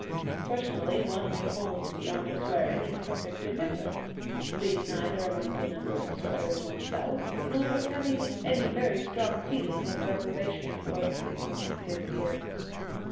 Personally one may hold the art of swearing in perfect indifference, being neither among the number of swearers oneself nor having any very strong feeling of reprobation towards its more active adherents.